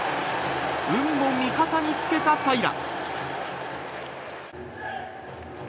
運も味方につけた平良。